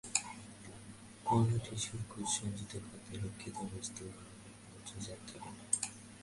কোন টিস্যুর কোষে সঞ্চিত খাদ্য, ক্ষরিত বস্তু বা বর্জ্যবস্তু থাকে না?